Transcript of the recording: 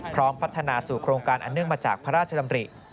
พร้อมพัฒนาสู่โครงการอันเนื่องมาจากพระราชดำริ